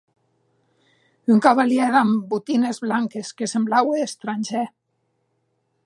Un cavalièr damb botines blanques que semblaue estrangèr.